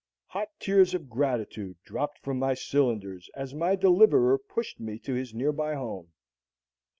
Hot tears of gratitude dropped from my cylinders as my deliverer pushed me to his nearby home.